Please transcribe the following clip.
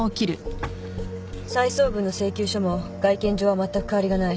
再送分の請求書も外見上はまったく変わりがない。